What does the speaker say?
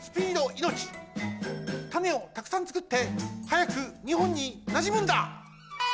種をたくさんつくってはやくにほんになじむんだ！